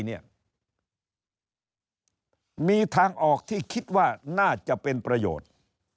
เนี่ยมีทางออกที่คิดว่าน่าจะเป็นประโยชน์